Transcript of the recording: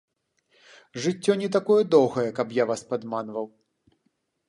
Жыццё не такое доўгае, каб я вас падманваў.